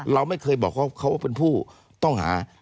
เราไม่เคยบอกว่าเขาเป็นผู้ต้องหา